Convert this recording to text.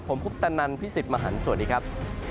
ผมคุปตันนันพี่สิบมหันสวัสดีครับ